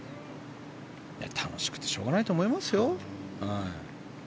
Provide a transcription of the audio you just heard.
楽しくてしょうがないと思いますよ。